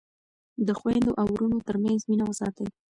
د خویندو او وروڼو ترمنځ مینه وساتئ.